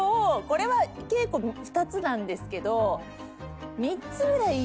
これは稽古２つなんですけど。